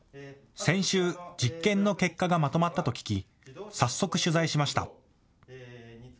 先週、実験の結果がまとまったと聞き早速、取材しました。